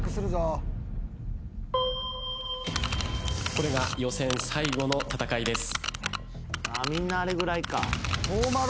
これが予選最後の戦いです。